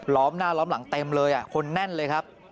หน้าล้อมหลังเต็มเลยคนแน่นเลยครับ